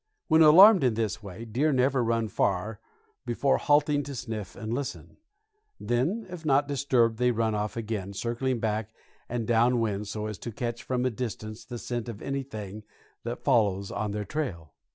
When alarmed in this way, deer never run far before halting to sniff and listen. Then, if not disturbed, they run off again, circling back and down wind so as to catch from a distance the scent of anything that follows on their trail.